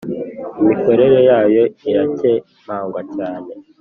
imikorere yayo iracyemangwa cyane